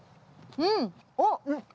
うん！